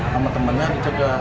sama temannya dijaga